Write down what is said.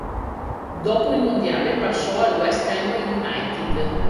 Dopo il Mondiale passò al West Ham United.